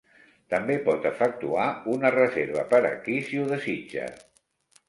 També pot efectuar una reserva per aquí si ho desitja.